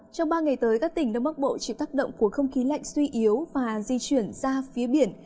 trong ba ngày tới các tỉnh đông bắc bộ chịu tác động của không khí lạnh suy yếu và di chuyển ra phía biển